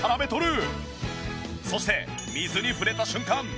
そして水に触れた瞬間